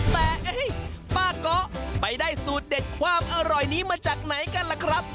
แต่ป้าเกาะไปได้สูตรเด็ดความอร่อยนี้มาจากไหนกันล่ะครับ